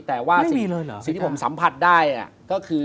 แต่ว่าสิ่งที่ผมสัมผัสได้ก็คือ